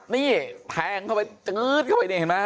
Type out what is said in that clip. นี่แทงเข้าไปดึกเข้าไปนะ